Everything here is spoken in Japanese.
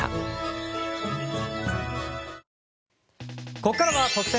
ここからは、特選！！